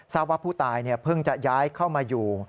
ทราบว่าผู้ตายเพิ่งจะย้ายเข้ามาอยู่